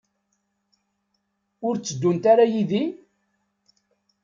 Ur tteddunt ara yid-i?